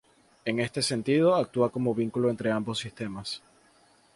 En este sentido actúa como vínculo entre ambos sistemas.